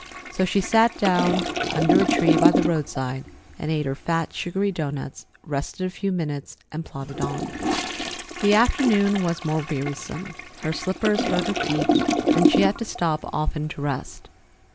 So she sat down under a tree by the roadside and ate her fat, sugary doughnuts, rested a few minutes, and plodded on. The afternoon was more wearisome. Her slippers hurt her feet, and she had to stop often to rest.